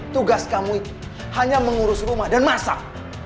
tugas kamu hanya mengurus rumah dan masak